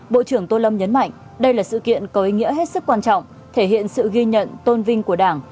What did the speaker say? bộ trưởng tô lâm nhấn mạnh đây là sự kiện có ý nghĩa hết sức quan trọng thể hiện sự ghi nhận tôn vinh của đảng